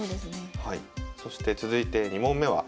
そして続いて２問目は。